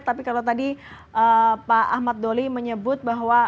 tapi kalau tadi pak ahmad doli menyebut bahwa